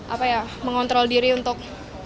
apa ya mengontrol diri untuk